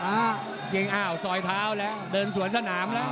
น้ำเงินเฑี่ยงอ้าวสอยเท้าแล้วเริ่มสวนสนามแล้ว